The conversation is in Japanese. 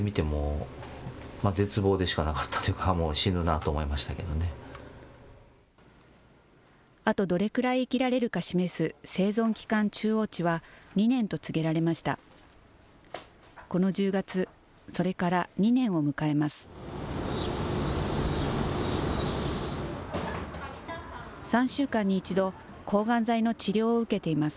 この１０月、それから２年を迎えます。